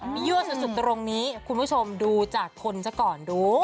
มียั่วสุดตรงนี้คุณผู้ชมดูจากคนซะก่อนดู